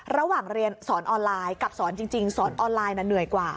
ระหว่างเรียนสอนออนไลน์กับสอนจริงสอนออนไลน์เหนื่อยกว่า